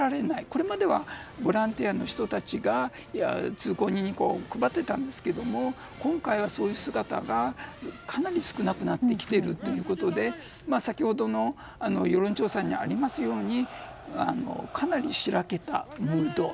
これまではボランティアの人が通行人に配っていたんですけど今回はそういう姿がかなり少なくなってきているということで先ほどの世論調査にありますようかなり白けたムードと。